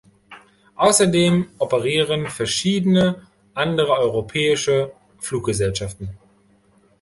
Außerdem operieren verschiedene andere europäische Fluggesellschaften.